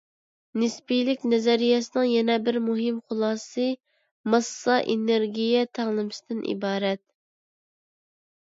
نىسپىيلىك نەزەرىيەسىنىڭ يەنە بىر مۇھىم خۇلاسىسى، ماسسا - ئېنېرگىيە تەڭلىمىسىدىن ئىبارەت.